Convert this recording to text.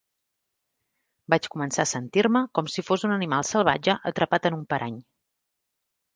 Vaig començar a sentir-me com si fos un animal salvatge atrapat en un parany.